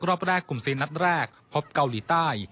รอบแรกกลุ่มซีนนัดแรกพบเกาหลีใต้